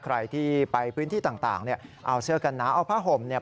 ใครที่ไปพื้นที่ต่างเนี่ยเอาเสื้อกันหนาวเอาผ้าห่มเนี่ย